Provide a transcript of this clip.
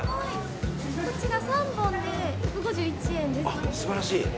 こちら３本で１５１円です。